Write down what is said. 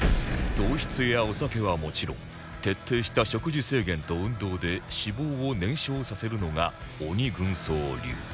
糖質やお酒はもちろん徹底した食事制限と運動で脂肪を燃焼させるのが鬼軍曹流